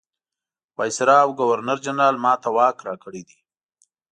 وایسرا او ګورنرجنرال ما ته واک راکړی دی.